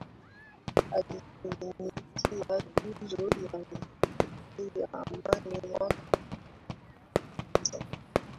Alitunukiwa tuzo ya mtukufu ya Amani mwaka elfu mbili na tisa